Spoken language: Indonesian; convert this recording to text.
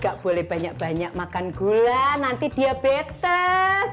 gak boleh banyak banyak makan gula nanti diabetes